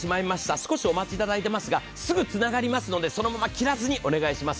少しお待ち頂いていますが、すぐつながりますのでそのまま切らずにお願いします。